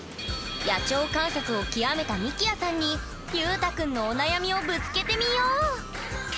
野鳥観察を極めたみきやさんにゆうたくんのお悩みをぶつけてみよう！